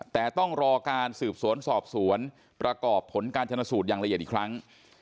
แต่ต้องรอการสืบสวนสอบสวนประกอบผลการชนสูตรอย่างละเอียดอีกครั้ง